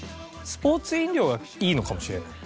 スポーツ飲料がいいのかもしれない。